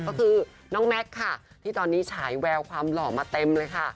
ก็คือน้องแม็กซ์ค่ะที่ตอนนี้ฉายแววความหล่อมาเต็มเลยค่ะ